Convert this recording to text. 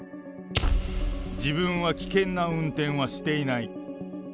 自分は危険な運転はしていない。